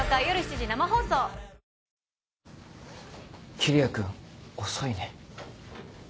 桐矢君遅いね。